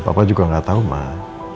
papa juga gak tau mah